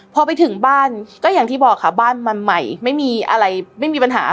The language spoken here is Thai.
พอไปถึงบ้านก็อย่างที่บอกค่ะบ้านมันใหม่ไม่มีอะไรไม่มีปัญหา